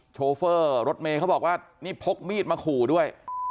โชเฟอร์รถเมย์เขาบอกว่านี่พกมีดมาขู่ด้วย